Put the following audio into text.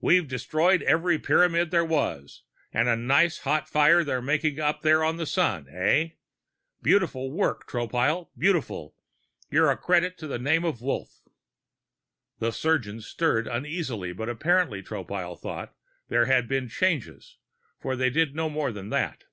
We've destroyed every Pyramid there was, and a nice hot fire they're making up there on the sun, eh? Beautiful work, Tropile. Beautiful! You're a credit to the name of Wolf!" The surgeons stirred uneasily, but apparently, Tropile thought, there had been changes, for they did no more than that.